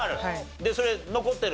でそれ残ってる？